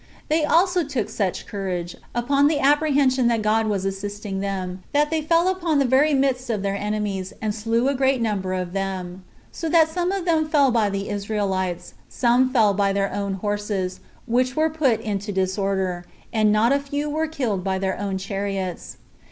They also took such courage, upon the apprehension that God was assisting them, that they fell upon the very midst of their enemies, and slew a great number of them; so that some of them fell by the Israelites, some fell by their own horses, which were put into disorder, and not a few were killed by their own chariots.